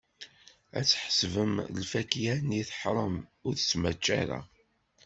Ad tḥesbem lfakya-nni teḥṛem, ur tettmačča ara.